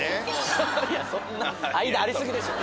ははっいやそんな間あり過ぎでしょ。